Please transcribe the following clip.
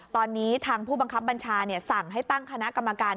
ตอนนี้ทางผู้บังคับบัญชาสั่งให้ตั้งคณะกรรมการ